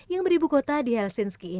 yang beribu kota di helsinski